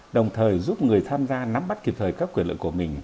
đồng thời giúp người tham gia nắm bắt kịp thời các quyền lợi của mình